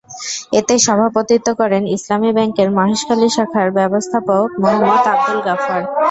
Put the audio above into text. এতে সভাপতিত্ব করেন ইসলামী ব্যাংকের মহেশখালী শাখার ব্যবস্থাপক মোহাম্মদ আব্দুল গাফ্ফার।